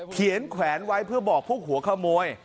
แขวนไว้เพื่อบอกพวกหัวขโมย